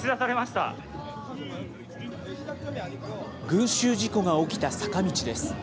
群集事故が起きた坂道です。